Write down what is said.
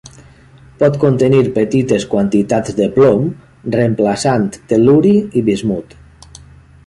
Pot contenir petites quantitats de plom reemplaçant tel·luri i bismut.